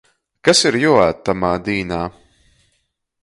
Kas ir juoād tamā dīnā?